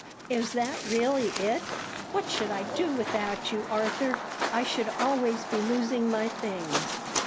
"Is that really it? What should I do without you, Arthur? I should always be losing my things.